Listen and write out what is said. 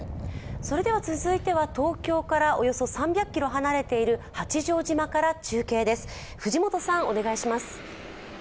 それでは続いては東京からおよそ３００ｋｍ離れている八丈島から中継です。